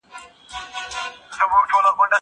اوبه د زهشوم له خوا پاکې کيږي؟